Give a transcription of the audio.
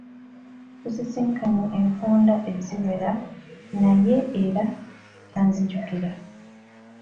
Tusisinkanye enfunda eziwera naye era tanzijukira.